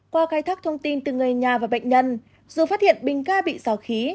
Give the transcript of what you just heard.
qua khai thác thông tin từ người nhà và bệnh nhân dù phát hiện bình ga bị sò khí